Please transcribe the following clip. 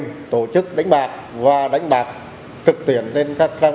đối tượng đã được tổ chức đánh bạc và đánh bạc trực tuyến